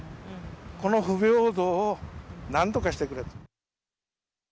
この不平等をなんとかしてくれと。